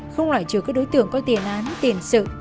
không loại trừ các đối tượng có tiền án tiền sự